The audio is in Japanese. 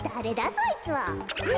そいつは。え！？